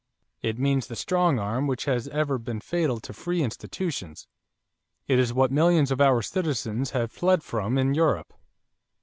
It means the strong arm which has ever been fatal to free institutions. It is what millions of our citizens have fled from in Europe.